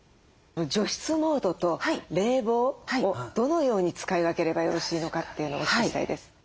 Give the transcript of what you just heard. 除湿モードと冷房をどのように使い分ければよろしいのかというのをお聞きしたいです。